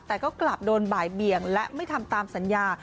แต่ก็กลับโดนบ่ายเบียงและไม่ทำตามสัญญา